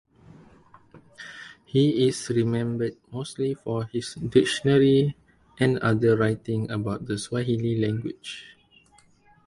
He is remembered mostly for his dictionaries and other writings about the Swahili language.